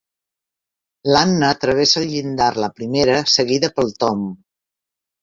L'Anna travessa el llindar la primera, seguida pel Tom.